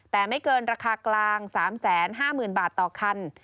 แต่ไม่เกินราคากลาง๓๕๐๐๐บาทต่อคัน